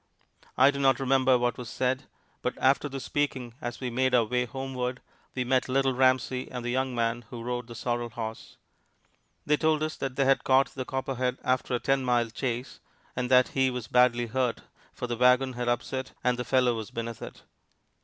I do not remember what was said, but after the speaking, as we made our way homeward, we met Little Ramsey and the young man who rode the sorrel horse. They told us that they had caught the Copperhead after a ten mile chase, and that he was badly hurt, for the wagon had upset and the fellow was beneath it.